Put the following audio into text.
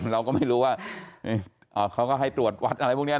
เราก็ไม่รู้ว่าเขาก็ให้ตรวจวัดอะไรพวกนี้